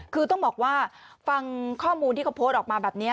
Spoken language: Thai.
คือต้องบอกว่าฟังข้อมูลที่เขาโพสต์ออกมาแบบนี้